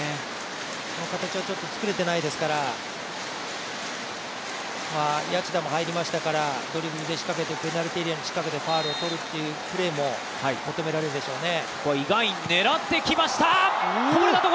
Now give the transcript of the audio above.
その形をつくれていないですから、谷内田も入りましたから、ドリブルで仕掛けてペナルティーエリアの近くでファウルを取るっていうプレーも求められるでしょうね。